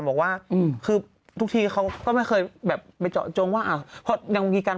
บอกว่าคือทุกทีเขาก็ไม่เคยแบบไปเจาะจงว่าอ้าวเพราะยังมีการ